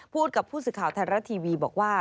พูดกับผู้สื่อข่าวธรรมทีวีบอกว่า